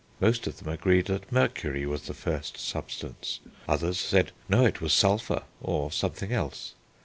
Most of them agreed that Mercury was the first substance. Others said, no, it was sulphur, or something else....